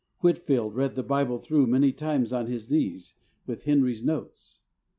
Whitefield read the Bible through many times on his knees with Henry's notes.